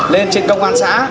lên trên công an xã